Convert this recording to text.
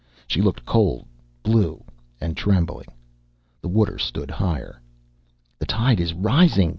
She looked cold, blue and trembling. The water stood higher. "The tide is rising!"